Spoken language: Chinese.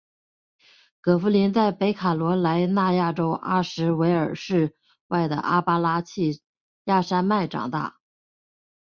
葛福临在北卡罗来纳州阿什维尔市外的阿巴拉契亚山脉长大。